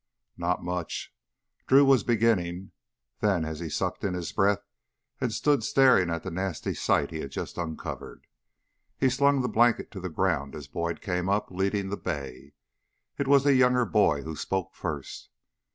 "Not much " Drew was beginning, then he sucked in his breath and stood staring at the nasty sight he had just uncovered. He slung the blanket to the ground as Boyd came up, leading the bay. It was the younger boy who spoke first.